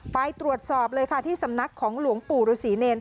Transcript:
ไปตรวจสอบเลยค่ะที่สำนักของหลวงปู่ฤษีเนร